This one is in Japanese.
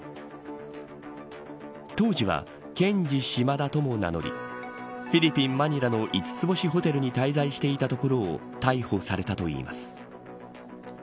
当時はケンジ・シマダとも名乗りフィリピン、マニラの五つ星ホテルに滞在していたところを逮捕されたといいます。